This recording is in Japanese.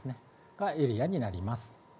がエリアになります。